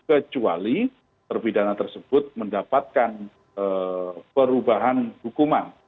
kecuali terpidana tersebut mendapatkan perubahan hukuman